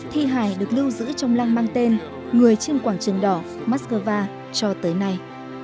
thi hải được lưu giữ trong làng mang tên người trên quảng trường đỏ moscow cho tới nay